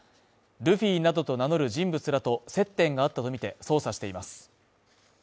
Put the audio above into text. ルフィなどと名乗る人物らと接点があったとみて捜査しています。